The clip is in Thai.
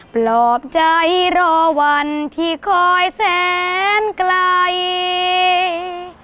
ปลอบใจรอวันที่คอยแสนไกล